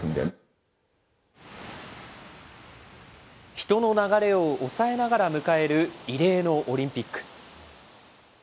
人の流れを抑えながら迎える異例のオリンピック。